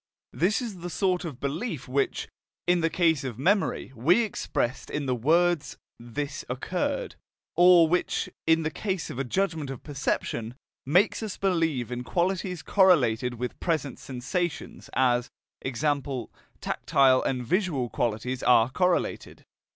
This is the sort of belief which, in the case of memory, we expressed in the words "this occurred"; or which, in the case of a judgment of perception, makes us believe in qualities correlated with present sensations, as e.g., tactile and visual qualities are correlated.